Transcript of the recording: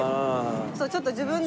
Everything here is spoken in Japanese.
ちょっと自分で。